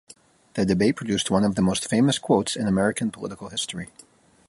The debate produced one of the most famous quotes in American political history.